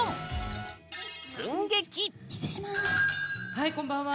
はいこんばんは！